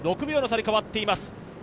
６秒の差に変わっています。